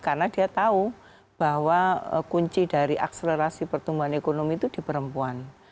karena dia tahu bahwa kunci dari akselerasi pertumbuhan ekonomi itu di perempuan